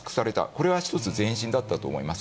これは１つ前進だったと思います。